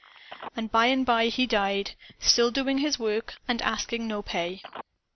"And by and by he died, still doing his work and asking no pay.